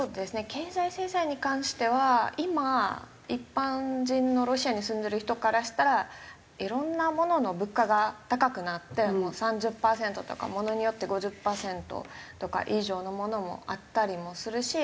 経済制裁に関しては今一般人のロシアに住んでる人からしたらいろんなものの物価が高くなってもう３０パーセントとかものによって５０パーセントとか以上のものもあったりもするし。